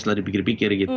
setelah dipikir pikir gitu